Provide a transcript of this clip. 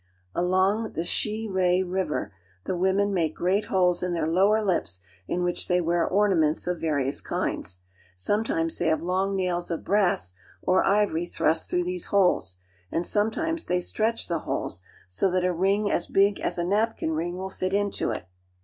Along the Shire (she'ra) River the women make great holes in their lower lips in which they wear ornaments of various kinds. Sometimes they have long nails of brass ; ivory thrust through these holes, and sometimes they fcetch the holes so that a ring as big as a napkin ring ( 3^ AFRICA ^^H will fit into it.